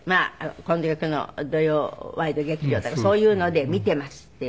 この局の土曜ワイド劇場とかそういうので見てますって。